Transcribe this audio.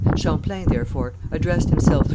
Champlain, therefore, addressed himself through M.